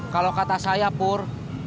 kalau kata saya pur